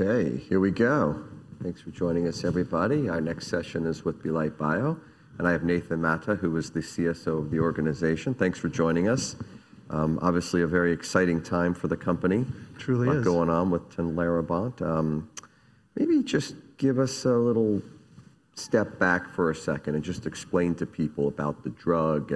Okay, here we go. Thanks for joining us, everybody. Our next session is with Belite Bio. I have Nathan Mata, who is the CSO of the organization. Thanks for joining us. Obviously, a very exciting time for the company. Truly is. What's going on with tinlarebant? Maybe just give us a little step back for a second and just explain to people about the drug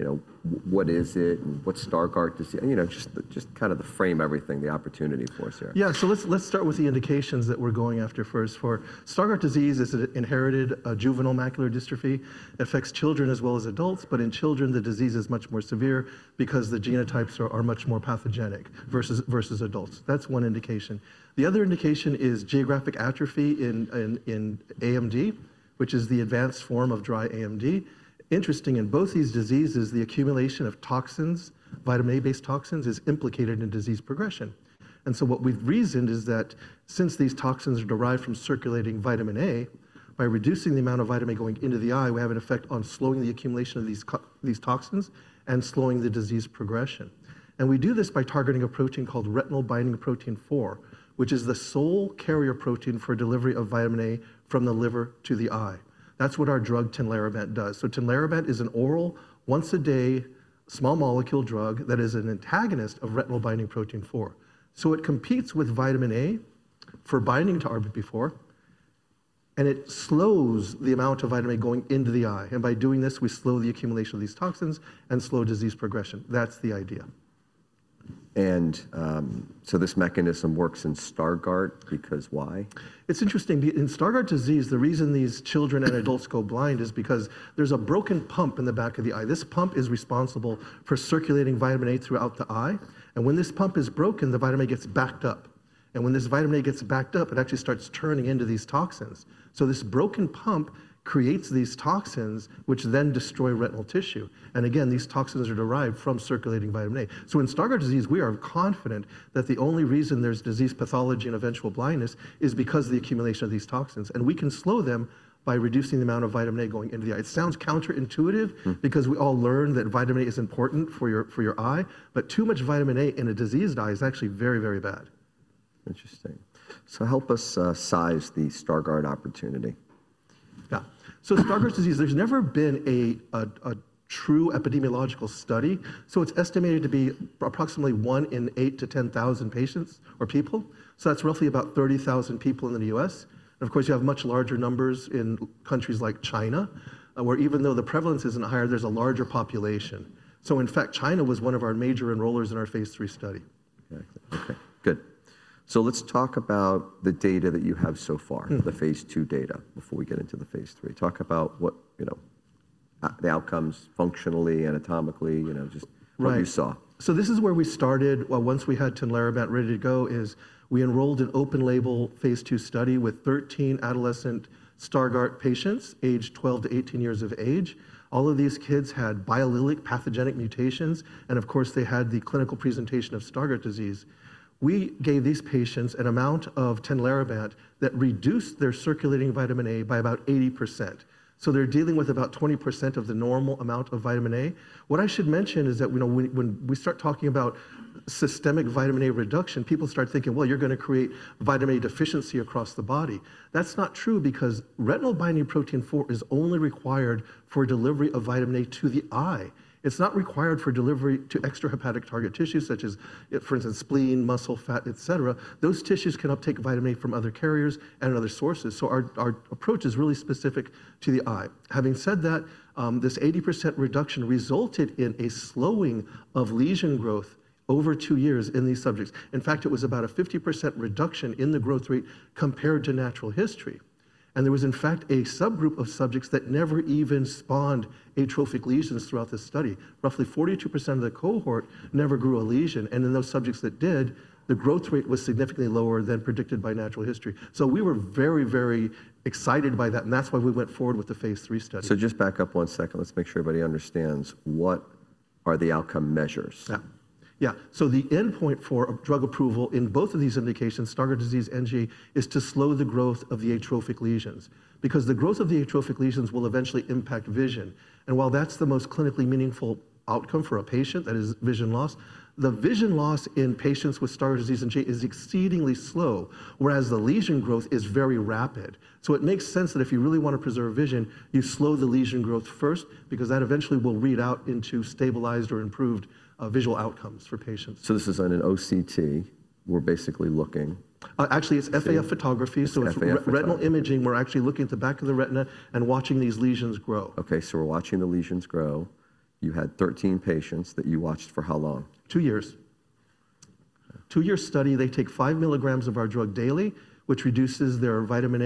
and what is it and what Stargardt disease, just kind of the frame everything, the opportunity for us here. Yeah, let's start with the indications that we're going after first. Stargardt disease is an inherited juvenile macular dystrophy. It affects children as well as adults, but in children, the disease is much more severe because the genotypes are much more pathogenic versus adults. That's one indication. The other indication is geographic atrophy in AMD, which is the advanced form of dry AMD. Interesting in both these diseases, the accumulation of toxins, vitamin A-based toxins, is implicated in disease progression. What we've reasoned is that since these toxins are derived from circulating vitamin A, by reducing the amount of vitamin A going into the eye, we have an effect on slowing the accumulation of these toxins and slowing the disease progression. We do this by targeting a protein called retinal binding protein 4, which is the sole carrier protein for delivery of vitamin A from the liver to the eye. That's what our drug, Tinlarebant, does. Tinlarebant is an oral, once-a-day, small molecule drug that is an antagonist of retinal binding protein 4. It competes with vitamin A for binding to RBP4, and it slows the amount of vitamin A going into the eye. By doing this, we slow the accumulation of these toxins and slow disease progression. That's the idea. This mechanism works in Stargardt because why? It's interesting. In Stargardt disease, the reason these children and adults go blind is because there's a broken pump in the back of the eye. This pump is responsible for circulating vitamin A throughout the eye. When this pump is broken, the vitamin A gets backed up. When this vitamin A gets backed up, it actually starts turning into these toxins. This broken pump creates these toxins, which then destroy retinal tissue. These toxins are derived from circulating vitamin A. In Stargardt disease, we are confident that the only reason there's disease pathology and eventual blindness is because of the accumulation of these toxins. We can slow them by reducing the amount of vitamin A going into the eye. It sounds counterintuitive because we all learn that vitamin A is important for your eye, but too much vitamin A in a diseased eye is actually very, very bad. Interesting. Help us size the Stargardt opportunity. Yeah. Stargardt disease, there's never been a true epidemiological study. It's estimated to be approximately one in eight to ten thousand patients or people. That's roughly about 30,000 people in the U.S. Of course, you have much larger numbers in countries like China, where even though the prevalence isn't higher, there's a larger population. In fact, China was one of our major enrollers in our phase III study. Okay, good. Let's talk about the data that you have so far, the phase two data before we get into the phase III. Talk about the outcomes functionally, anatomically, just what you saw. This is where we started. Once we had tinlarebant ready to go, we enrolled an open-label phase II study with 13 adolescent Stargardt patients, age 12 to 18 years of age. All of these kids had biallelic pathogenic mutations, and of course, they had the clinical presentation of Stargardt disease. We gave these patients an amount of tinlarebant that reduced their circulating vitamin A by about 80%. They are dealing with about 20% of the normal amount of vitamin A. What I should mention is that when we start talking about systemic vitamin A reduction, people start thinking, you are going to create vitamin A deficiency across the body. That is not true because retinal binding protein 4 is only required for delivery of vitamin A to the eye. It is not required for delivery to extrahepatic target tissues, such as, for instance, spleen, muscle, fat, et cetera. Those tissues can uptake vitamin A from other carriers and other sources. Our approach is really specific to the eye. Having said that, this 80% reduction resulted in a slowing of lesion growth over two years in these subjects. In fact, it was about a 50% reduction in the growth rate compared to natural history. There was, in fact, a subgroup of subjects that never even spawned atrophic lesions throughout the study. Roughly 42% of the cohort never grew a lesion. In those subjects that did, the growth rate was significantly lower than predicted by natural history. We were very, very excited by that. That is why we went forward with thephase IIIstudy. Just back up one second. Let's make sure everybody understands what are the outcome measures. Yeah. Yeah. The endpoint for drug approval in both of these indications, Stargardt disease and GA, is to slow the growth of the atrophic lesions because the growth of the atrophic lesions will eventually impact vision. While that's the most clinically meaningful outcome for a patient, that is vision loss, the vision loss in patients with Stargardt disease and GA is exceedingly slow, whereas the lesion growth is very rapid. It makes sense that if you really want to preserve vision, you slow the lesion growth first because that eventually will read out into stabilized or improved visual outcomes for patients. This is on an OCT. We're basically looking. Actually, it's FAF photography. FAF? It's retinal imaging. We're actually looking at the back of the retina and watching these lesions grow. Okay, so we're watching the lesions grow. You had 13 patients that you watched for how long? Two years. Two-year study. They take five mg of our drug daily, which reduces their vitamin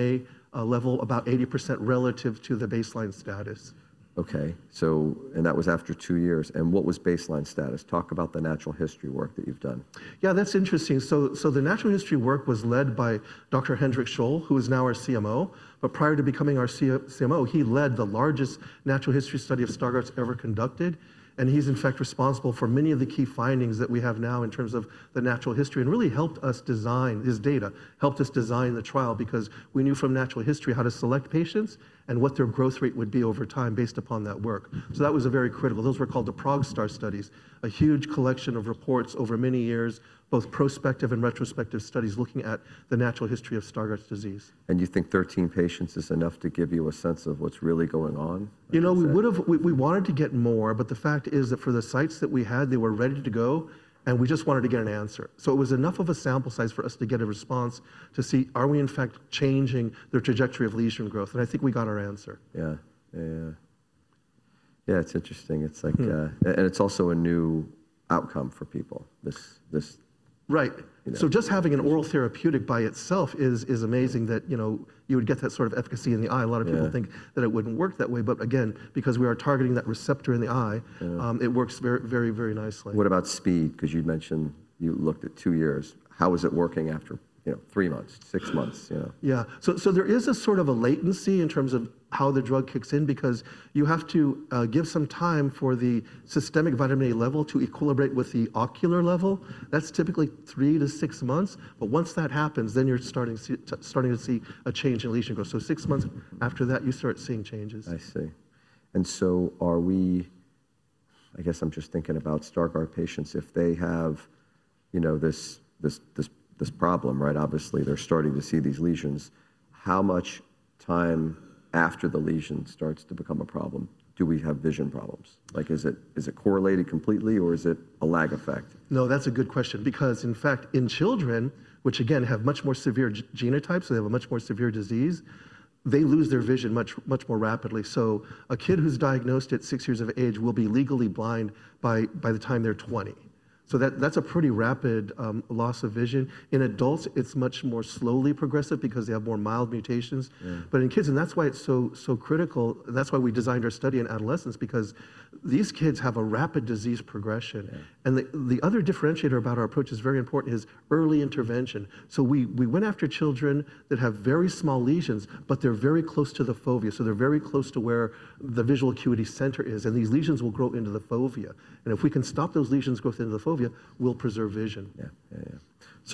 A level about 80% relative to the baseline status. Okay, that was after two years. What was baseline status? Talk about the natural history work that you've done. Yeah, that's interesting. The natural history work was led by Dr. Hendrik Scholl, who is now our CMO. Prior to becoming our CMO, he led the largest natural history study of Stargardt ever conducted. He's, in fact, responsible for many of the key findings that we have now in terms of the natural history and really helped us design—his data helped us design the trial because we knew from natural history how to select patients and what their growth rate would be over time based upon that work. That was very critical. Those were called the ProgStar studies, a huge collection of reports over many years, both prospective and retrospective studies looking at the natural history of Stargardt disease. Do you think 13 patients is enough to give you a sense of what's really going on? You know, we wanted to get more, but the fact is that for the sites that we had, they were ready to go, and we just wanted to get an answer. It was enough of a sample size for us to get a response to see, are we, in fact, changing their trajectory of lesion growth? I think we got our answer. Yeah, yeah. Yeah, it's interesting. And it's also a new outcome for people. Right. Just having an oral therapeutic by itself is amazing that you would get that sort of efficacy in the eye. A lot of people think that it wouldn't work that way. Again, because we are targeting that receptor in the eye, it works very, very nicely. What about speed? Because you mentioned you looked at two years. How is it working after three months, six months? Yeah. There is a sort of a latency in terms of how the drug kicks in because you have to give some time for the systemic vitamin A level to equilibrate with the ocular level. That's typically three to six months. Once that happens, you're starting to see a change in lesion growth. Six months after that, you start seeing changes. I see. Are we, I guess I'm just thinking about Stargardt patients, if they have this problem, right? Obviously, they're starting to see these lesions. How much time after the lesion starts to become a problem do we have vision problems? Is it correlated completely, or is it a lag effect? No, that's a good question because, in fact, in children, which again, have much more severe genotypes, they have a much more severe disease, they lose their vision much more rapidly. A kid who's diagnosed at six years of age will be legally blind by the time they're 20. That's a pretty rapid loss of vision. In adults, it's much more slowly progressive because they have more mild mutations. In kids, that's why it's so critical, that's why we designed our study in adolescents, because these kids have a rapid disease progression. The other differentiator about our approach that is very important is early intervention. We went after children that have very small lesions, but they're very close to the fovea. They're very close to where the visual acuity center is. These lesions will grow into the fovea. If we can stop those lesions growth into the fovea, we'll preserve vision. Yeah, yeah,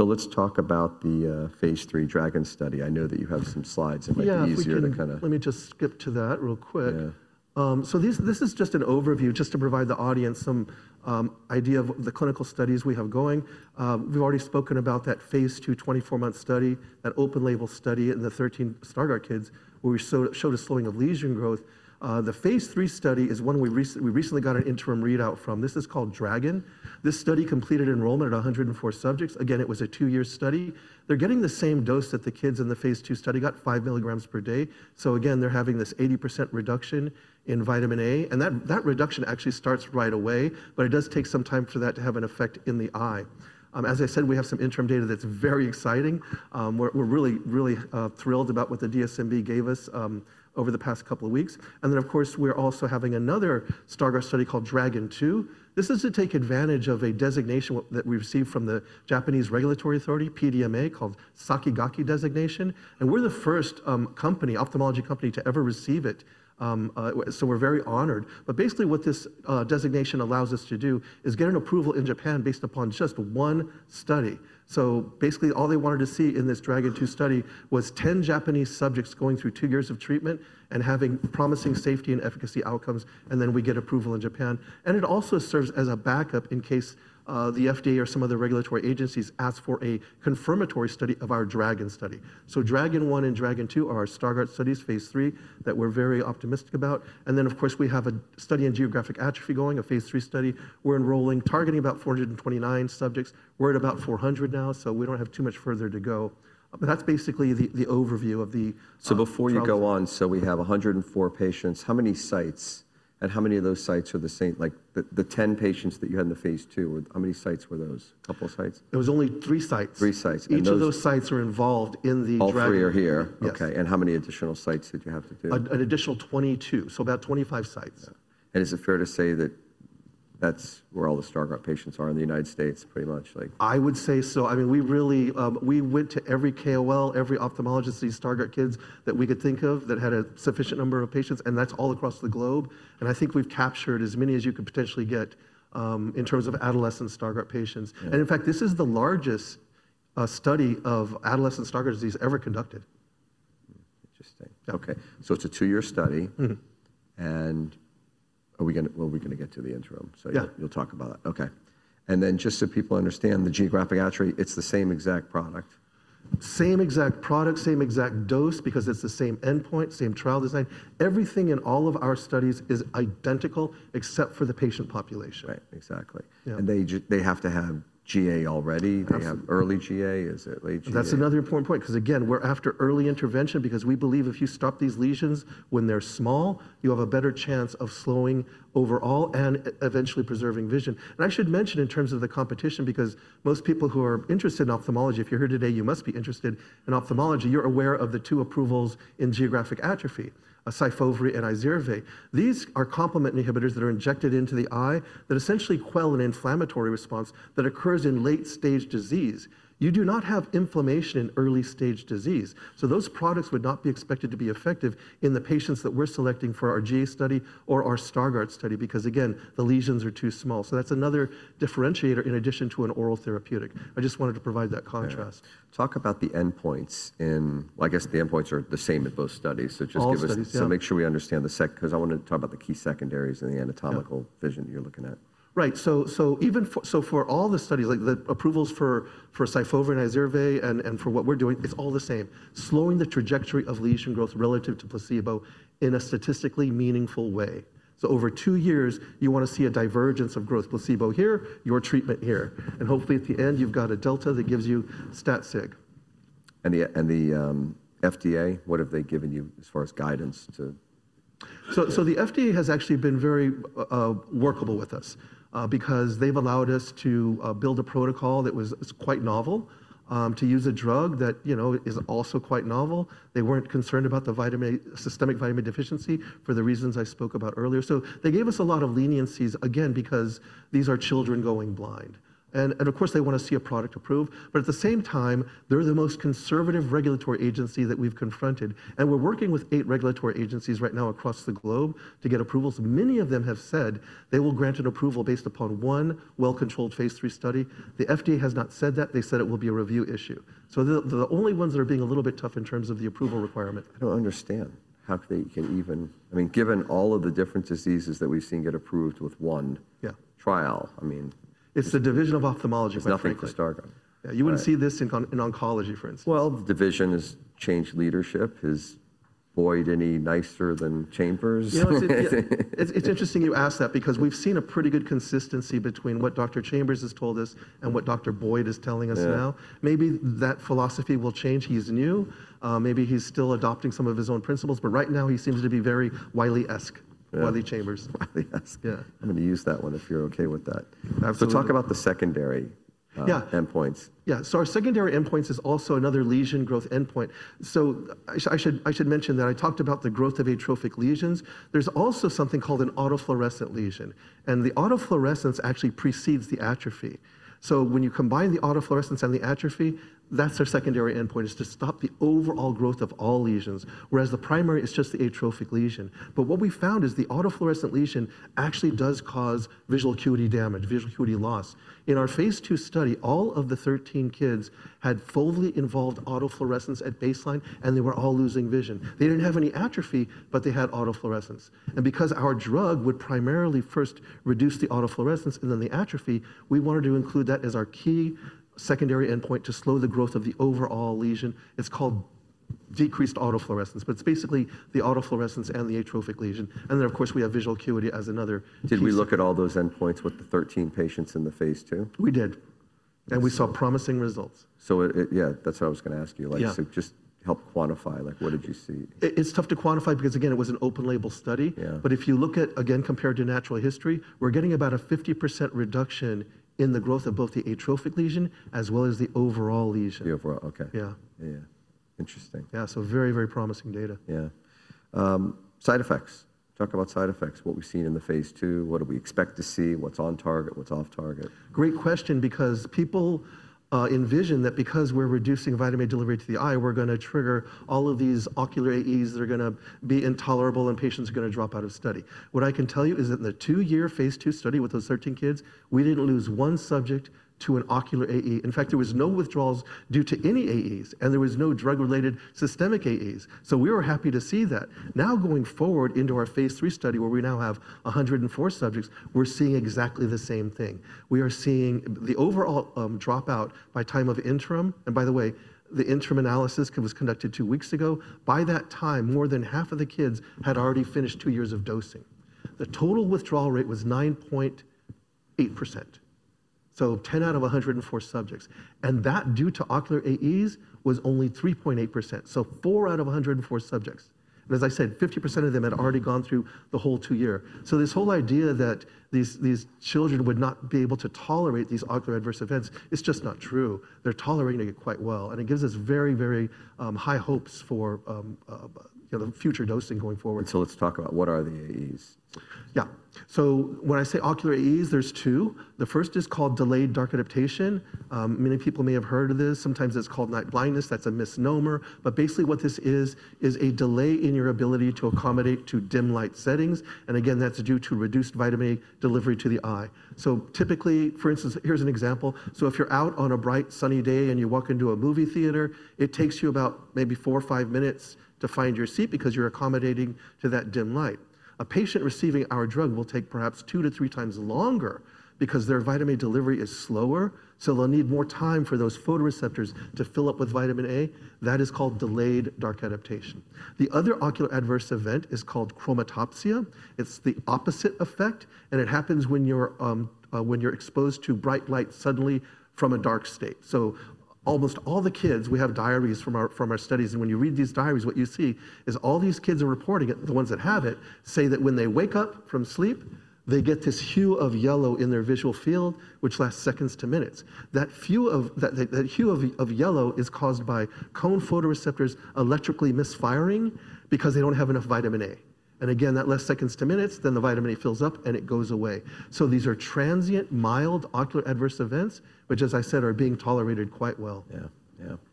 yeah. Let's talk about the phase III DRAGON study. I know that you have some slides. It might be easier to kind of. Yeah, let me just skip to that real quick. This is just an overview, just to provide the audience some idea of the clinical studies we have going. We've already spoken about that phase two 24-month study, that open-label study in the 13 Stargardt kids where we showed a slowing of lesion growth. The phase III study is one we recently got an interim readout from. This is called DRAGON. This study completed enrollment at 104 subjects. Again, it was a two-year study. They're getting the same dose that the kids in the phase two study got: five mg per day. Again, they're having this 80% reduction in vitamin A. That reduction actually starts right away, but it does take some time for that to have an effect in the eye. As I said, we have some interim data that's very exciting. We're really, really thrilled about what the DSMB gave us over the past couple of weeks. Of course, we're also having another Stargardt study called DRAGON 2. This is to take advantage of a designation that we received from the Japanese Regulatory Authority, PMDA, called Sakigake designation. We're the first ophthalmology company to ever receive it, so we're very honored. Basically, what this designation allows us to do is get an approval in Japan based upon just one study. Basically, all they wanted to see in this DRAGON 2 study was 10 Japanese subjects going through two years of treatment and having promising safety and efficacy outcomes, and then we get approval in Japan. It also serves as a backup in case the FDA or some other regulatory agencies ask for a confirmatory study of our DRAGON study. DRAGON 1 and DRAGON 2 are our Stargardt studies, phase III, that we're very optimistic about. Of course, we have a study in geographic atrophy going, aphase IIIstudy. We're enrolling, targeting about 429 subjects. We're at about 400 now, so we don't have too much further to go. That's basically the overview of the study. Before you go on, we have 104 patients. How many sites? And how many of those sites are the same? Like the 10 patients that you had in the phase II, how many sites were those? A couple of sites? There were only three sites. Three sites. Each of those sites were involved in the DRAGON. All three are here. Okay. How many additional sites did you have to do? An additional 22. So about 25 sites. Is it fair to say that that's where all the Stargardt patients are in the United States, pretty much? I would say so. I mean, we went to every KLO, every ophthalmologist of these Stargardt kids that we could think of that had a sufficient number of patients. That is all across the globe. I think we've captured as many as you could potentially get in terms of adolescent Stargardt patients. In fact, this is the largest study of adolescent Stargardt disease ever conducted. Interesting. Okay. It is a two-year study. Are we going to get to the interim? Yeah. You'll talk about it. Okay. And then just so people understand the geographic atrophy, it's the same exact product. Same exact product, same exact dose, because it's the same endpoint, same trial design. Everything in all of our studies is identical except for the patient population. Right, exactly. They have to have GA already? Absolutely. They have early GA? Is it late GA? That's another important point because, again, we're after early intervention because we believe if you stop these lesions when they're small, you have a better chance of slowing overall and eventually preserving vision. I should mention in terms of the competition, because most people who are interested in ophthalmology, if you're here today, you must be interested in ophthalmology, you're aware of the two approvals in geographic atrophy: Syfovre and Izervay. These are complement inhibitors that are injected into the eye that essentially quell an inflammatory response that occurs in late-stage disease. You do not have inflammation in early-stage disease. Those products would not be expected to be effective in the patients that we're selecting for our GA study or our Stargardt study because, again, the lesions are too small. That's another differentiator in addition to an oral therapeutic. I just wanted to provide that contrast. Talk about the endpoints. I guess the endpoints are the same at both studies. Just give us, so make sure we understand the, because I want to talk about the key secondaries in the anatomical vision that you're looking at. Right. For all the studies, the approvals for SYFOVRE and I ZERVAY and for what we're doing, it's all the same. Slowing the trajectory of lesion growth relative to placebo in a statistically meaningful way. Over two years, you want to see a divergence of growth: placebo here, your treatment here. Hopefully at the end, you've got a delta that gives you stat-sig. What have the FDA given you as far as guidance to? The FDA has actually been very workable with us because they've allowed us to build a protocol that was quite novel, to use a drug that is also quite novel. They weren't concerned about the systemic vitamin A deficiency for the reasons I spoke about earlier. They gave us a lot of leniencies, again, because these are children going blind. Of course, they want to see a product approved. At the same time, they're the most conservative regulatory agency that we've confronted. We're working with eight regulatory agencies right now across the globe to get approvals. Many of them have said they will grant an approval based upon one well-controlled phase III study. The FDA has not said that. They said it will be a review issue. They're the only ones that are being a little bit tough in terms of the approval requirement. I don't understand. How can they even, I mean, given all of the different diseases that we've seen get approved with one trial, I mean. It's the division of ophthalmology. There's nothing for Stargardt. Yeah. You wouldn't see this in oncology, for instance. The division has changed leadership. Has Boyd any nicer than Chambers? It's interesting you ask that because we've seen a pretty good consistency between what Dr. Chambers has told us and what Dr. Boyd is telling us now. Maybe that philosophy will change. He's new. Maybe he's still adopting some of his own principles. Right now, he seems to be very Wiley-esque, Wiley Chambers. Wiley-esque. I'm going to use that one if you're okay with that. Talk about the secondary endpoints. Yeah. Our secondary endpoints is also another lesion growth endpoint. I should mention that I talked about the growth of atrophic lesions. There's also something called an autofluorescent lesion. The autofluorescence actually precedes the atrophy. When you combine the autofluorescence and the atrophy, that's our secondary endpoint, is to stop the overall growth of all lesions, whereas the primary is just the atrophic lesion. What we found is the autofluorescent lesion actually does cause visual acuity damage, visual acuity loss. In our phase II study, all of the 13 kids had foveally involved autofluorescence at baseline, and they were all losing vision. They didn't have any atrophy, but they had autofluorescence. Because our drug would primarily first reduce the autofluorescence and then the atrophy, we wanted to include that as our key secondary endpoint to slow the growth of the overall lesion. It's called decreased autofluorescence, but it's basically the autofluorescence and the atrophic lesion. Of course, we have visual acuity as another. Did we look at all those endpoints with the 13 patients in the phase II? We did. We saw promising results. Yeah, that's what I was going to ask you. Just help quantify. What did you see? It's tough to quantify because, again, it was an open-label study. If you look at, again, compared to natural history, we're getting about a 50% reduction in the growth of both the atrophic lesion as well as the overall lesion. The overall. Okay. Yeah, yeah. Interesting. Yeah. Very, very promising data. Yeah. Side effects. Talk about side effects. What we've seen in the phase II? What do we expect to see? What's on target? What's off target? Great question because people envision that because we're reducing vitamin A delivery to the eye, we're going to trigger all of these ocular AEs that are going to be intolerable, and patients are going to drop out of study. What I can tell you is that in the two-year phase II study with those 13 kids, we didn't lose one subject to an ocular AE. In fact, there were no withdrawals due to any AEs, and there were no drug-related systemic AEs. So we were happy to see that. Now, going forward into our phase III study, where we now have 104 subjects, we're seeing exactly the same thing. We are seeing the overall dropout by time of interim. By the way, the interim analysis was conducted two weeks ago. By that time, more than half of the kids had already finished two years of dosing. The total withdrawal rate was 9.8%. Ten out of 104 subjects. That due to ocular AEs was only 3.8%. Four out of 104 subjects. As I said, 50% of them had already gone through the whole two-year. This whole idea that these children would not be able to tolerate these ocular adverse events, it's just not true. They're tolerating it quite well. It gives us very, very high hopes for the future dosing going forward. Let's talk about what are the AEs? Yeah. When I say ocular AEs, there's two. The first is called delayed dark adaptation. Many people may have heard of this. Sometimes it's called night blindness. That's a misnomer. Basically what this is, is a delay in your ability to accommodate to dim light settings. Again, that's due to reduced vitamin A delivery to the eye. Typically, for instance, here's an example. If you're out on a bright sunny day and you walk into a movie theater, it takes you about maybe four or five minutes to find your seat because you're accommodating to that dim light. A patient receiving our drug will take perhaps two to three times longer because their vitamin A delivery is slower. They'll need more time for those photoreceptors to fill up with vitamin A. That is called delayed dark adaptation. The other ocular adverse event is called chromatopsia. It's the opposite effect. It happens when you're exposed to bright light suddenly from a dark state. Almost all the kids, we have diaries from our studies. When you read these diaries, what you see is all these kids are reporting it. The ones that have it say that when they wake up from sleep, they get this hue of yellow in their visual field, which lasts seconds to minutes. That hue of yellow is caused by cone photoreceptors electrically misfiring because they don't have enough vitamin A. Again, that lasts seconds to minutes. The vitamin A fills up and it goes away. These are transient, mild ocular adverse events, which, as I said, are being tolerated quite well.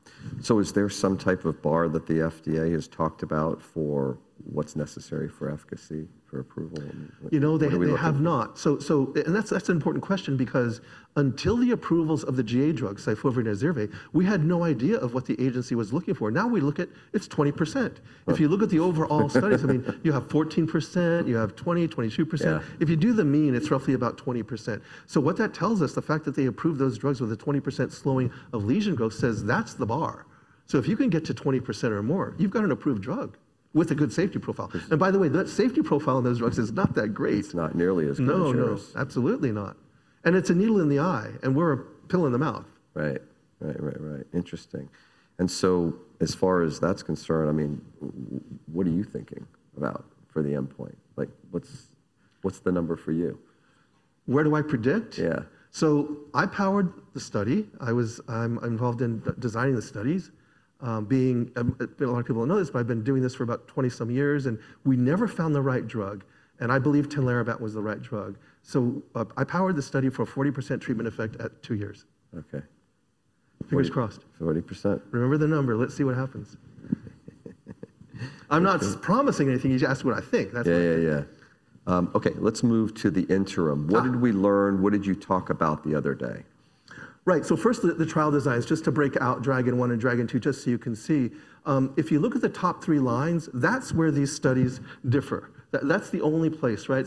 Yeah, yeah. Is there some type of bar that the FDA has talked about for what's necessary for efficacy, for approval? You know, they have not. That's an important question because until the approvals of the GA drug, Syfovre and Izervay, we had no idea of what the agency was looking for. Now we look at it, it's 20%. If you look at the overall studies, I mean, you have 14%, you have 20-22%. If you do the mean, it's roughly about 20%. What that tells us, the fact that they approved those drugs with a 20% slowing of lesion growth says that's the bar. If you can get to 20% or more, you've got an approved drug with a good safety profile. By the way, the safety profile on those drugs is not that great. It's not nearly as good. No, no, no. Absolutely not. It is a needle in the eye. We are a pill in the mouth. Right, right, right, right. Interesting. As far as that's concerned, I mean, what are you thinking about for the endpoint? What's the number for you? Where do I predict? Yeah. I powered the study. I'm involved in designing the studies. A lot of people don't know this, but I've been doing this for about 20-some years. We never found the right drug. I believe tinlarebant was the right drug. I powered the study for a 40% treatment effect at two years. Okay. Fingers crossed. 40%. Remember the number. Let's see what happens. I'm not promising anything. You just asked what I think. Yeah, yeah, yeah. Okay. Let's move to the interim. What did we learn? What did you talk about the other day? Right. The trial designs, just to break out DRAGON 1 and DRAGON 2, just so you can see. If you look at the top three lines, that's where these studies differ. That's the only place, right?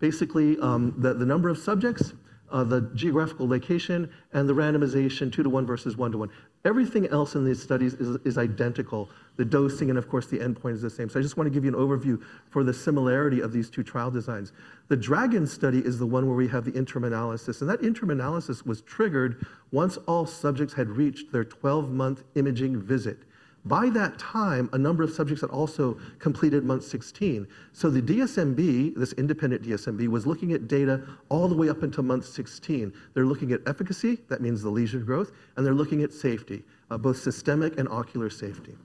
Basically, the number of subjects, the geographical location, and the randomization two to one versus one to one. Everything else in these studies is identical. The dosing and, of course, the endpoint is the same. I just want to give you an overview for the similarity of these two trial designs. The DRAGON study is the one where we have the interim analysis. That interim analysis was triggered once all subjects had reached their 12-month imaging visit. By that time, a number of subjects had also completed month 16. The DSMB, this independent DSMB, was looking at data all the way up until month 16. They're looking at efficacy. That means the lesion growth. They're looking at safety, both systemic and ocular safety.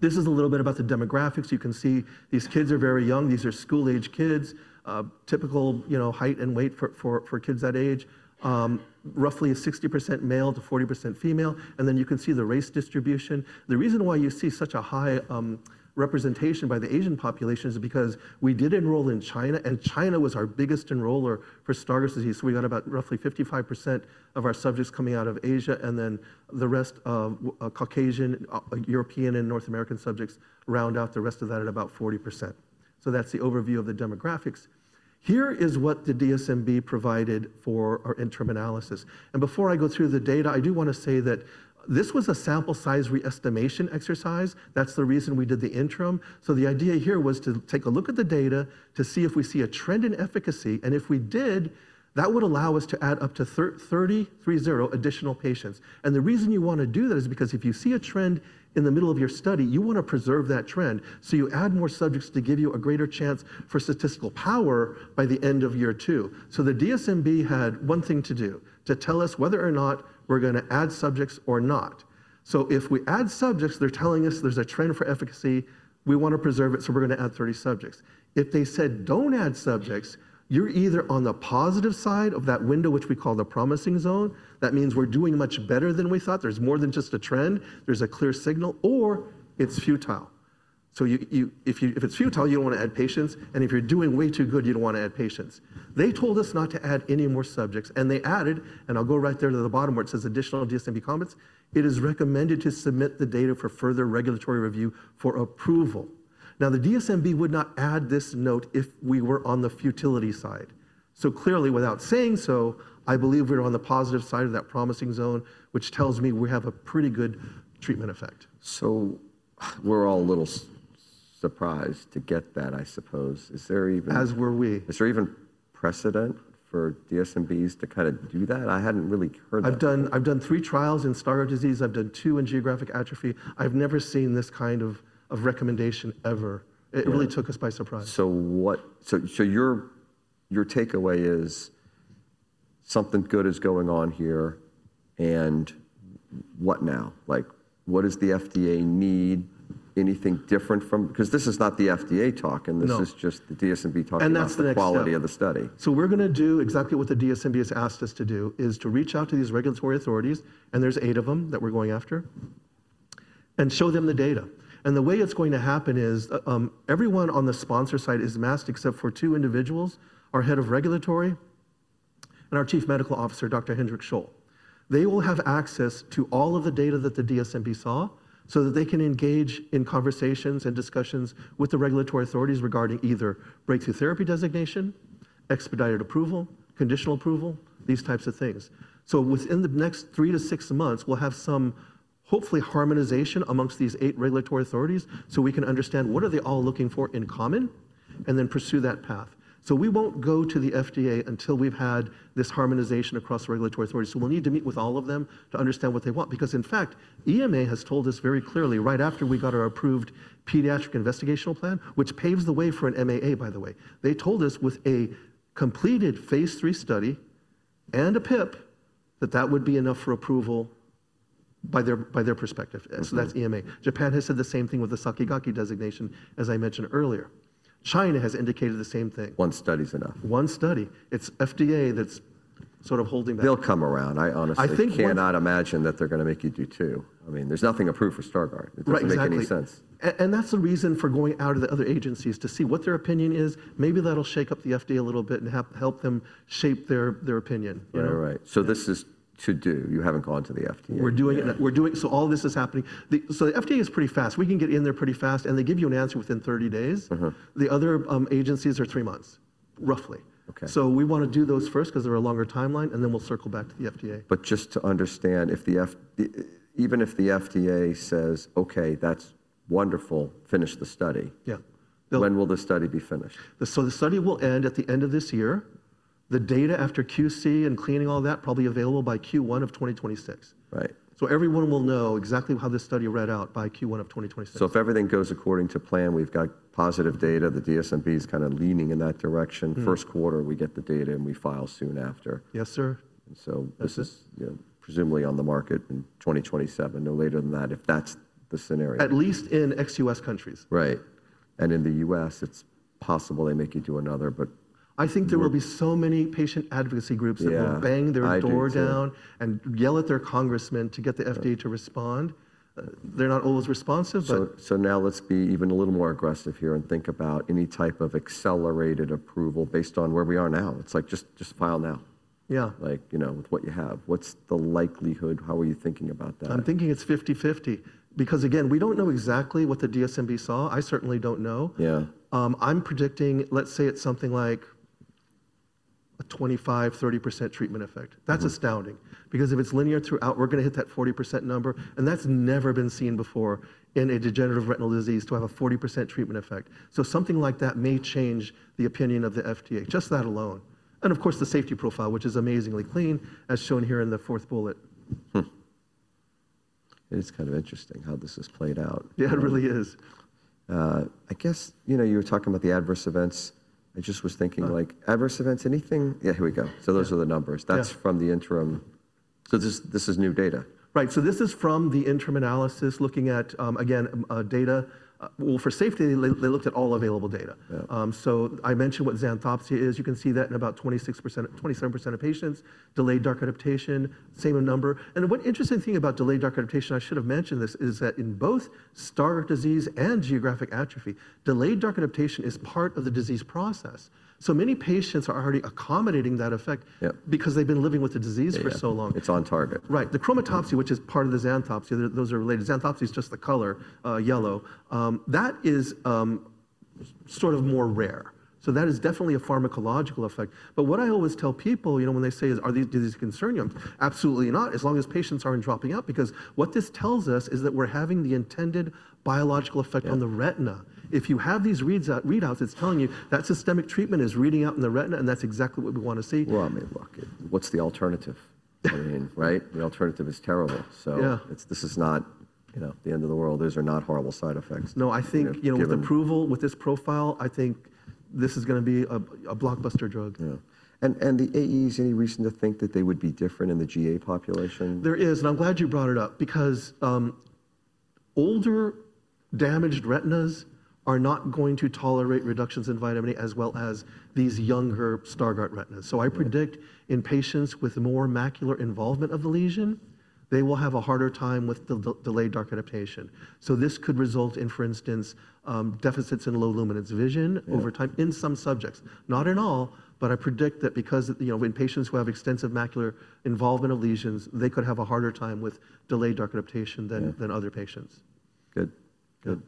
This is a little bit about the demographics. You can see these kids are very young. These are school-age kids. Typical height and weight for kids that age. Roughly 60% male to 40% female. You can see the race distribution. The reason why you see such a high representation by the Asian population is because we did enroll in China. China was our biggest enroller for Stargardt disease. We got about roughly 55% of our subjects coming out of Asia. The rest of Caucasian, European, and North American subjects round out the rest of that at about 40%. That's the overview of the demographics. Here is what the DSMB provided for our interim analysis. Before I go through the data, I do want to say that this was a sample size re-estimation exercise. That is the reason we did the interim. The idea here was to take a look at the data to see if we see a trend in efficacy. If we did, that would allow us to add up to 30, three-zero additional patients. The reason you want to do that is because if you see a trend in the middle of your study, you want to preserve that trend. You add more subjects to give you a greater chance for statistical power by the end of year two. The DSMB had one thing to do, to tell us whether or not we are going to add subjects or not. If we add subjects, they are telling us there is a trend for efficacy. We want to preserve it. We're going to add 30 subjects. If they said don't add subjects, you're either on the positive side of that window, which we call the promising zone. That means we're doing much better than we thought. There's more than just a trend. There's a clear signal. Or it's futile. If it's futile, you don't want to add patients. If you're doing way too good, you don't want to add patients. They told us not to add any more subjects. I'll go right there to the bottom where it says additional DSMB comments, it is recommended to submit the data for further regulatory review for approval. Now, the DSMB would not add this note if we were on the futility side. Clearly, without saying so, I believe we're on the positive side of that promising zone, which tells me we have a pretty good treatment effect. We're all a little surprised to get that, I suppose. Is there even. As were we. Is there even precedent for DSMBs to kind of do that? I hadn't really heard that. I've done three trials in Stargardt disease. I've done two in geographic atrophy. I've never seen this kind of recommendation ever. It really took us by surprise. Your takeaway is something good is going on here. What now? What does the FDA need? Anything different from because this is not the FDA talking. This is just the DSMB talking about the quality of the study. We're going to do exactly what the DSMB has asked us to do, which is to reach out to these regulatory authorities, and there are eight of them that we're going after, and show them the data. The way it's going to happen is everyone on the sponsor side is masked except for two individuals, our Head of Regulatory and our Chief Medical Officer, Dr. Hendrik Scholl. They will have access to all of the data that the DSMB saw so that they can engage in conversations and discussions with the regulatory authorities regarding either breakthrough therapy designation, expedited approval, conditional approval, these types of things. Within the next three to six months, we'll have some hopefully harmonization amongst these eight regulatory authorities so we can understand what they are all looking for in common and then pursue that path. We won't go to the FDA until we've had this harmonization across regulatory authorities. We'll need to meet with all of them to understand what they want. In fact, EMA has told us very clearly right after we got our approved pediatric investigational plan, which paves the way for an MAA, by the way. They told us with a completedphase IIIstudy and a PIP that that would be enough for approval by their perspective. That's EMA. Japan has said the same thing with the Sakigake designation, as I mentioned earlier. China has indicated the same thing. One study's enough. One study. It's FDA that's sort of holding back. They'll come around. I honestly cannot imagine that they're going to make you do two. I mean, there's nothing approved for Stargardt. It doesn't make any sense. That's the reason for going out to the other agencies to see what their opinion is. Maybe that'll shake up the FDA a little bit and help them shape their opinion. Right, right. This is to do. You haven't gone to the FDA. We're doing it. All this is happening. The FDA is pretty fast. We can get in there pretty fast. They give you an answer within 30 days. The other agencies are three months, roughly. We want to do those first because they're a longer timeline. Then we'll circle back to the FDA. Just to understand, even if the FDA says, "Okay, that's wonderful, finish the study. Yeah. When will the study be finished? The study will end at the end of this year. The data after QC and cleaning all that, probably available by Q1 of 2026. Right. Everyone will know exactly how this study read out by Q1 of 2026. If everything goes according to plan, we've got positive data, the DSMB is kind of leaning in that direction. First quarter, we get the data and we file soon after. Yes, sir. This is presumably on the market in 2027, no later than that, if that's the scenario. At least in ex-U.S. countries. Right. In the U.S., it's possible they make you do another, but. I think there will be so many patient advocacy groups that will bang their door down and yell at their congressmen to get the FDA to respond. They're not always responsive, but. Let's be even a little more aggressive here and think about any type of accelerated approval based on where we are now. It's like just file now. Yeah. Like with what you have. What's the likelihood? How are you thinking about that? I'm thinking it's 50/50. Because again, we don't know exactly what the DSMB saw. I certainly don't know. Yeah. I'm predicting, let's say it's something like a 25-30% treatment effect. That's astounding. Because if it's linear throughout, we're going to hit that 40% number. That's never been seen before in a degenerative retinal disease to have a 40% treatment effect. Something like that may change the opinion of the FDA, just that alone. Of course, the safety profile, which is amazingly clean, as shown here in the fourth bullet. It is kind of interesting how this has played out. Yeah, it really is. I guess you were talking about the adverse events. I just was thinking like adverse events, anything? Yeah, here we go. Those are the numbers. That's from the interim. This is new data. Right. So this is from the interim analysis looking at, again, data. Well, for safety, they looked at all available data. I mentioned what xanthopsia is. You can see that in about 26%, 27% of patients, delayed dark adaptation, same number. One interesting thing about delayed dark adaptation, I should have mentioned this, is that in both Stargardt disease and geographic atrophy, delayed dark adaptation is part of the disease process. Many patients are already accommodating that effect because they've been living with the disease for so long. It's on target. Right. The chromatopsia, which is part of the xanthopsia, those are related. Xanthopsia is just the color, yellow. That is sort of more rare. That is definitely a pharmacological effect. What I always tell people, you know, when they say, are these diseases concerning them? Absolutely not, as long as patients aren't dropping out. Because what this tells us is that we're having the intended biological effect on the retina. If you have these readouts, it's telling you that systemic treatment is reading out in the retina. That's exactly what we want to see. I mean, look, what's the alternative? I mean, right? The alternative is terrible. This is not the end of the world. Those are not horrible side effects. No, I think with approval with this profile, I think this is going to be a blockbuster drug. Yeah. The AEs, any reason to think that they would be different in the GA population? There is. I'm glad you brought it up. Because older damaged retinas are not going to tolerate reductions in vitamin A as well as these younger Stargardt retinas. I predict in patients with more macular involvement of the lesion, they will have a harder time with delayed dark adaptation. This could result in, for instance, deficits in low luminance vision over time in some subjects. Not in all, but I predict that because in patients who have extensive macular involvement of lesions, they could have a harder time with delayed dark adaptation than other patients. Good. Good.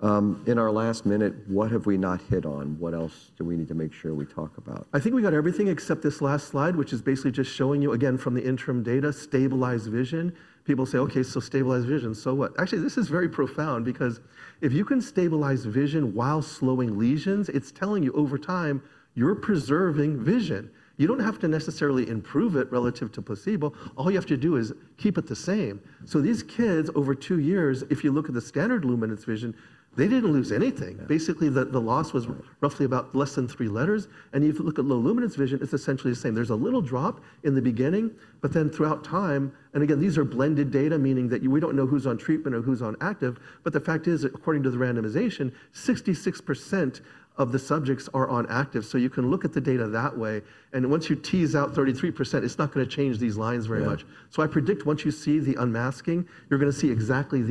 In our last minute, what have we not hit on? What else do we need to make sure we talk about? I think we got everything except this last slide, which is basically just showing you, again, from the interim data, stabilized vision. People say, "Okay, so stabilized vision. So what?" Actually, this is very profound. Because if you can stabilize vision while slowing lesions, it's telling you over time, you're preserving vision. You don't have to necessarily improve it relative to placebo. All you have to do is keep it the same. These kids over two years, if you look at the standard luminance vision, they didn't lose anything. Basically, the loss was roughly about less than three letters. If you look at low luminance vision, it's essentially the same. There's a little drop in the beginning, but then throughout time, and again, these are blended data, meaning that we don't know who's on treatment or who's on active. The fact is, according to the randomization, 66% of the subjects are on active. You can look at the data that way. Once you tease out 33%, it's not going to change these lines very much. I predict once you see the unmasking, you're going to see exactly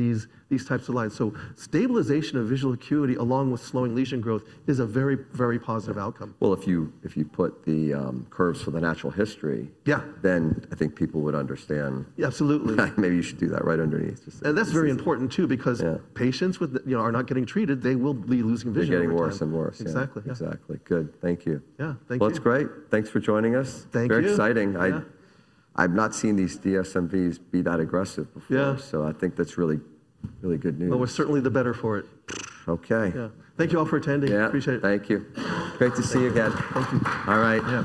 these types of lines. Stabilization of visual acuity along with slowing lesion growth is a very, very positive outcome. If you put the curves for the natural history, then I think people would understand. Yeah, absolutely. Maybe you should do that right underneath. That is very important too. Because patients are not getting treated, they will be losing vision. They're getting worse and worse. Exactly. Exactly. Good. Thank you. Yeah. Thank you. That's great. Thanks for joining us. Thank you. Very exciting. I've not seen these DSMBs be that aggressive before. I think that's really, really good news. We're certainly the better for it. Okay. Yeah. Thank you all for attending. Appreciate it. Yeah. Thank you. Great to see you again. Thank you. All right.